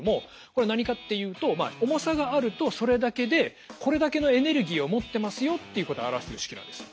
これ何かっていうと重さがあるとそれだけでこれだけのエネルギーを持ってますよっていうことを表してる式なんです。